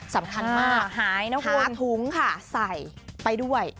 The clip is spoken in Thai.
สำคัญมากหายนะคุณหาถุงค่ะใส่ไปด้วย